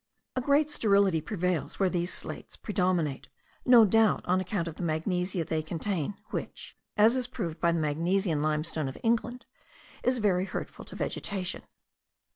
A great sterility prevails where these green slates predominate, no doubt on account of the magnesia they contain, which (as is proved by the magnesian limestone of England*) is very hurtful to vegetation.